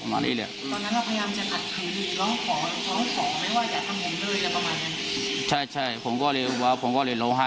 อเจมส์อาทิตย์ร้องฝอไหมว่าอยากทำงงเลยอะไรประมาณนี้